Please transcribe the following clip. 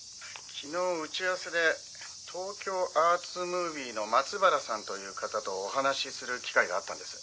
「昨日打ち合わせで東京アーツムービーの松原さんという方とお話しする機会があったんです」